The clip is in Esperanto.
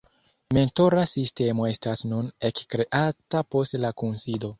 Mentora sistemo estas nun ekkreata post la kunsido.